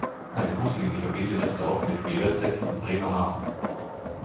Eine Buslinie verbindet das Dorf mit Beverstedt und Bremerhaven.